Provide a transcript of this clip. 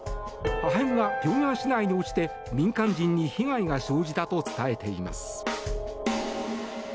破片がピョンヤン市内に落ちて民間人に被害が生じたと伝えています。